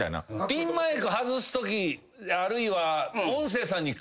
ピンマイク外すときあるいは。